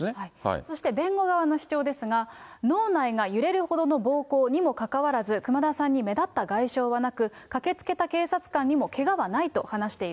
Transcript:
そして、弁護側の主張ですが、脳内が揺れるほどの暴行にもかかわらず、熊田さんに目立った外傷はなく、駆けつけた警察官にもけがはないと話している。